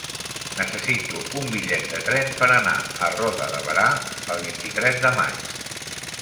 Necessito un bitllet de tren per anar a Roda de Berà el vint-i-tres de maig.